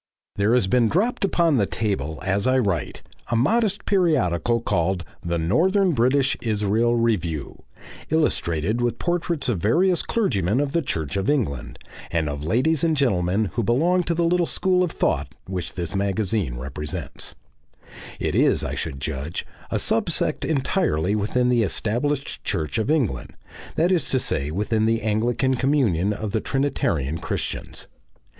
There has dropped upon the table as I write a modest periodical called THE NORTHERN BRITISH ISRAEL REVIEW, illustrated with portraits of various clergymen of the Church of England, and of ladies and gentlemen who belong to the little school of thought which this magazine represents; it is, I should judge, a sub sect entirely within the Established Church of England, that is to say within the Anglican communion of the Trinitarian Christians.